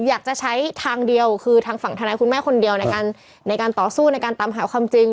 อยากจะใช้ทางเดียวคือทางฝั่งธนายคุณแม่คนเดียวในการในการต่อสู้ในการตามหาความจริง